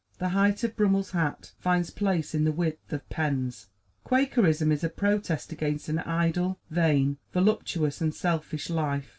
The height of Brummel's hat finds place in the width of Penn's. Quakerism is a protest against an idle, vain, voluptuous and selfish life.